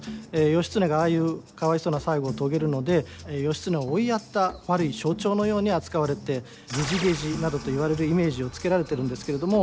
義経がああいうかわいそうな最期を遂げるので義経を追いやった悪い象徴のように扱われて「げじげじ」などと言われるイメージをつけられてるんですけれども。